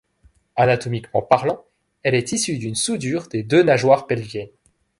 Anatomiquement parlant, elle est issue d'une soudure des deux nageoires pelviennes.